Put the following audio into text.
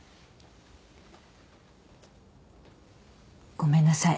ごめんなさい。